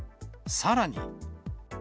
さらに。